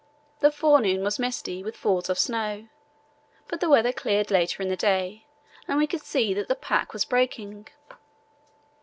The forenoon was misty, with falls of snow, but the weather cleared later in the day and we could see that the pack was breaking.